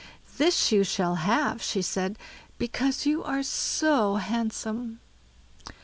"This you shall have", she said, "because you're so handsome."